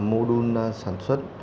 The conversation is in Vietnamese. mô đun sản xuất